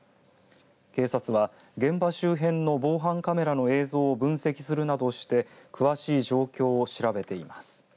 警察は現場周辺の防犯カメラの映像を分析するなどして詳しい状況を調べています。